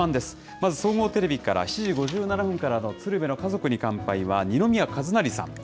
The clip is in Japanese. まず総合テレビから、７時５７分からの鶴瓶の家族に乾杯は二宮和也さん。